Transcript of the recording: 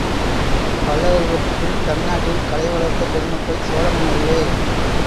பல்லவர்களுக்குப் பின் தமிழ்நாட்டில் கலை வளர்த்த பெருமக்கள் சோழ மன்னர்களே.